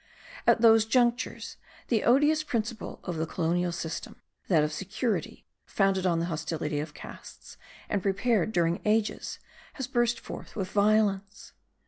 At those junctures, the odious principle of the Colonial System, that of security, founded on the hostility of castes, and prepared during ages, has burst forth with violence.